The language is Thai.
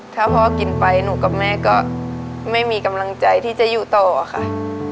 ถ้าพ่อกินไปหนูกับแม่ก็ไม่มีกำลังใจที่จะอยู่ต่อค่ะ